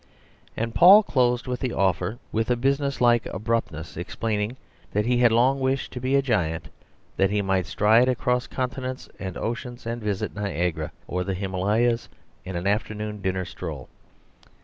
And Paul closed with the offer with a business like abruptness, explaining that he had long wished to be a giant that he might stride across continents and oceans and visit Niagara or the Himalayas in an afternoon dinner stroll.